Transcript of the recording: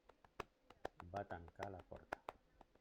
Va tancar la porta.